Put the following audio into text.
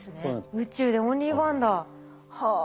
宇宙でオンリーワンだ。はあ。